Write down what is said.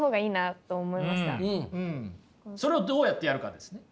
それをどうやってやるかですね。